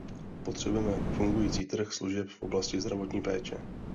Potřebujeme fungující trh služeb v oblasti zdravotní péče.